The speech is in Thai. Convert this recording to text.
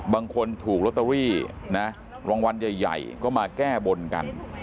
บางคนถูกลอตเตอรี่นะรางวัลใหญ่ก็มาแก้บนกัน